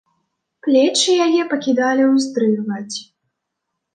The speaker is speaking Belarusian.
Плечы яе пакідалі ўздрыгваць.